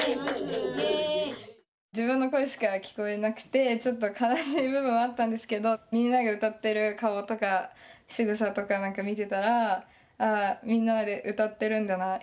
自分の声しか聞こえなくてちょっと悲しい部分はあったんですけど皆が歌ってる顔とかしぐさとか見てたらああみんなで歌ってるんだな。